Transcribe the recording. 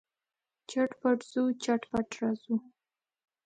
چټ پټ ځو، چټ پټ راځو.